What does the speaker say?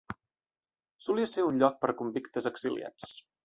Solia ser un lloc per convictes exiliats.